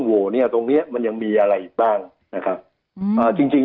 โหเนี้ยตรงเนี้ยมันยังมีอะไรอีกบ้างนะครับอืมอ่าจริงจริง